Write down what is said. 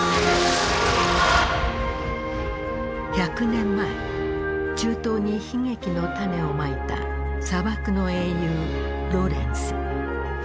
１００年前中東に悲劇の種をまいた砂漠の英雄ロレンス。